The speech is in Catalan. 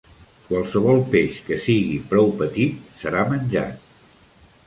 Qualsevol peix que sigui prou petit serà menjat.